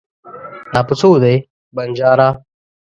دا په څو دی ؟ بنجاره